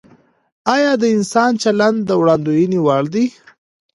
آیا د انسان چلند د وړاندوینې وړ دی؟